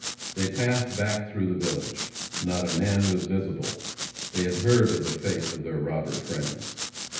They passed back through the village. Not a man was visible. They had heard of the fate of their robber friends.